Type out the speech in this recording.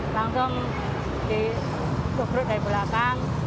langsung disukrut dari belakang